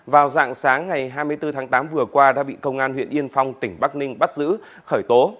vào dạng sáng ngày hai mươi bốn tháng tám vừa qua đã bị công an huyện yên phong tỉnh bắc ninh bắt giữ khởi tố